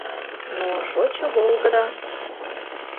Но шочо волгыдо!